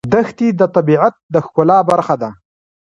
دښتې د طبیعت د ښکلا برخه ده.